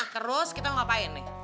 terus kita mau ngapain nih